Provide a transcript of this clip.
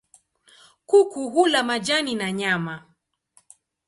Kuku hula majani na nyama.